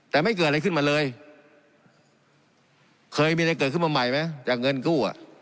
แต่ไม่เกิดอะไรขึ้นมาเลยเคยมีอะไรเกิดขึ้นมาใหม่ไหมจากเงินกู้อ่ะ